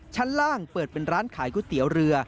ชั้นล่างเปิดเป็นร้านขายก๋วยเตี๋ยวเรือ